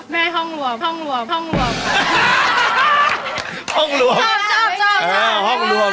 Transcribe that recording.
แม่ห้องรวม